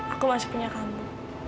aku masih punya kamu